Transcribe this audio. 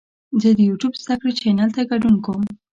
زه د یوټیوب زده کړې چینل ته ګډون کوم.